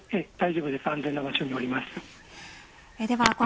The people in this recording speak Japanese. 大丈夫です。